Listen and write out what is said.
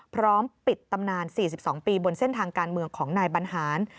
พร้อมปิดตำนาน๔๒ปีบนเส้นทางการเมืองของนายบรรหาร